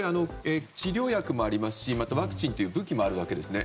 治療薬もありますしワクチンという武器もあるわけですね。